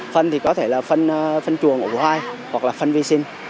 phân thì có thể là phân chùa ngủ hoai hoặc là phân vi sinh